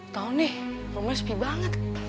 tau nih kamu sepi banget